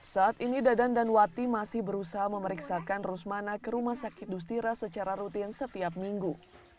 saat ini dadan dan wati masih berusaha memeriksakan rusmana ke rumah sakit dustira secara rutin setiap minggu